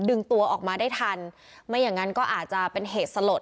ดึงตัวออกมาได้ทันไม่อย่างนั้นก็อาจจะเป็นเหตุสลด